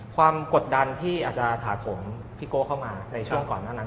กดดันที่อาจจะถาโถมพี่โก้เข้ามาในช่วงก่อนหน้านั้น